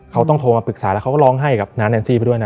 เขาต้องโทรมาปรึกษาแล้วเขาก็ร้องให้กับน้าแอนซี่ไปด้วยนะ